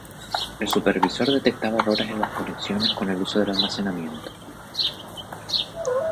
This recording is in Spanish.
El supervisor detectaba errores en las conexiones con el uso del almacenamiento.